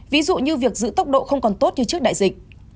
ví dụ như việc giữ tốc độ không còn tốt như trước đại dịch